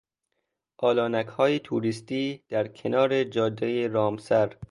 آلانکهای توریستی در کنار جادهی رامسر